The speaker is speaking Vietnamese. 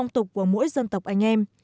tục của mỗi dân tộc anh em